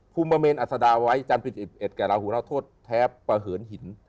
ภูมิเมนอัศดาไว้จำที่๑๑กับราหูน้ำโทษแท้ประเหินหิน